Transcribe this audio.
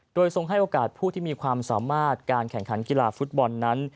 โดยทรงให้โอกาสผู้ที่มีความสามารถการแข่งขันกีฬาฟุตบอลนั้น